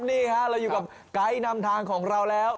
นี่ฮะเราอยู่กับไกด์นำทางของเราแล้ว